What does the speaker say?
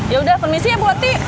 ya udah permisi ya bu wati